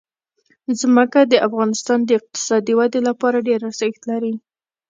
ځمکه د افغانستان د اقتصادي ودې لپاره ډېر ارزښت لري.